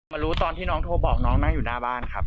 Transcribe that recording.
รู้ตอนที่น้องโทรบอกน้องนั่งอยู่หน้าบ้านครับ